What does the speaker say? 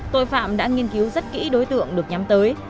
tội phạm đã nghiên cứu rất kỹ đối tượng được nhắm tới